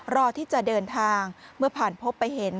รอที่จะเดินทางเมื่อผ่านพบไปเห็น